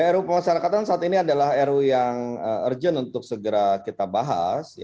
ru pemasarakatan saat ini adalah ru yang urgent untuk segera kita bahas